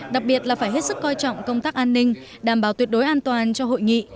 đặc biệt là phải hết sức coi trọng công tác an ninh đảm bảo tuyệt đối an toàn cho hội nghị